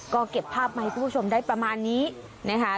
ก็เก็บภาพมาให้คุณผู้ชมได้ประมาณนี้นะคะ